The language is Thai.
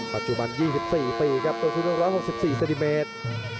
ปัจจุบัน๒๔ปีครับตัวสูง๑๖๔เซนติเมตร